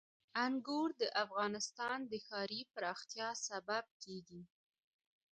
انګور د افغانستان د ښاري پراختیا سبب کېږي.